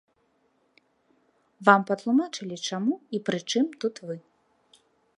Вам патлумачылі, чаму, і прычым тут вы?